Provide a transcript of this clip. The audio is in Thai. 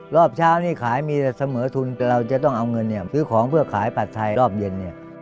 รอบเช้านี้ขายมีแต่เสมอทุนแต่เราจะต้องเอาเงินซื้อของเพื่อขายผัดไทยรอบเย็นเนี่ย